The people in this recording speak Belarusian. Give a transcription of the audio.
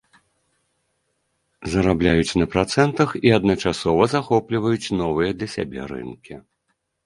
Зарабляюць на працэнтах і адначасова захопліваюць новыя для сябе рынкі.